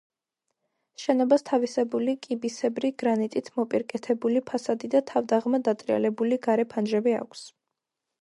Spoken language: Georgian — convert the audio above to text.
შენობას თავისებული კიბისებრი გრანიტით მოპირკეთებული ფასადი და თავდაღმა დატრიალებული გარე ფანჯრები აქვს.